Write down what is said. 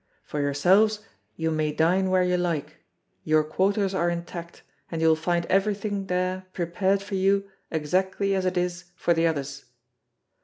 For yourselves, you may dine where you like; your quarters are intact, and you will find everything there prepared for you exactly as it is for the others.